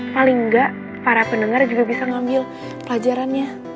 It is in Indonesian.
paling nggak para pendengar juga bisa ngambil pelajarannya